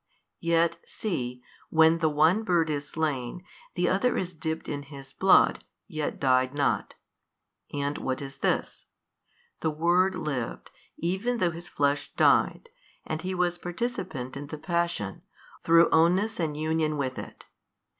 Yet see, when the one bird is slain, the other is dipped in his blood, yet died not. And what is this? The Word lived, even though His Flesh died, and He was participant in the Passion, through ownness and union with it.